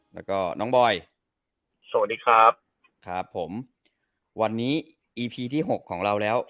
แล้วก็น้องบอยสวัสดีครับครับผมวันนี้อีพีที่หกของเราแล้ว